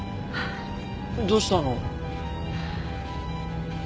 どうしたの？